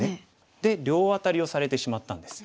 で両アタリをされてしまったんです。